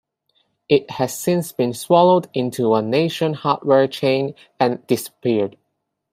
It has since been swallowed into a national hardware chain and disappeared.